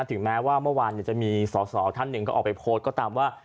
ถึงแม้ว่าเมื่อวานจะมีสอสอท่านหนึ่งก็ออกไปโพสต์ก็ตามว่า